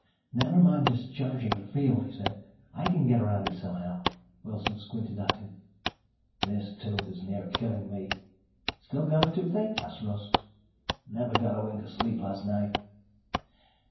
"Never mind discharging the field," he said. "I can get around it somehow." Wilson squinted at him. "This tooth is near killing me." "Still got a toothache?" asked Russ. "Never got a wink of sleep last night."